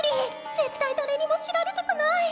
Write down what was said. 絶対誰にも知られたくない！